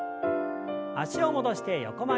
脚を戻して横曲げです。